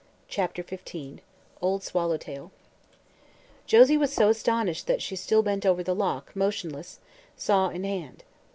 CHAPTER XV "OLD SWALLOWTAIL" Josie was so astonished that she still bent over the lock, motionless, saw in hand.